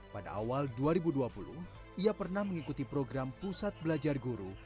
pada awal dua ribu dua puluh ia pernah mengikuti program pusat belajar guru